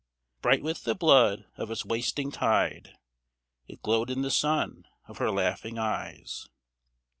Bright with the blood of its wasting tide It glowed in the sun of her laughing eyes.